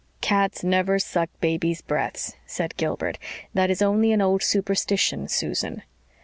"Cats never suck babies' breaths," said Gilbert. "That is only an old superstition, Susan."